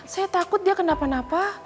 saya takut dia kena apa apa